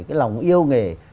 cái lòng yêu nghề